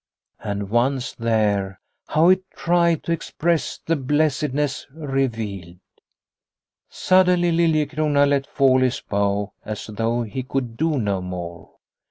And once there, how it tried to express the blessed ness revealed. Suddenly Liliecrona let fall his bow as though he could do no more.